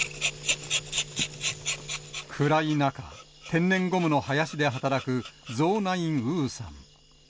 暗い中、天然ゴムの林で働く、ゾー・ナイン・ウーさん。